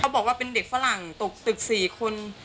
บอกว่าเป็นเด็กฝรั่งตกตึก๔คน